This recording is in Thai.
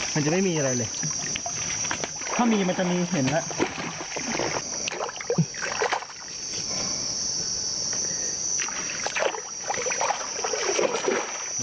มันจะไม่มีอะไรเลยถ้ามีมันจะมีเห็นแล้ว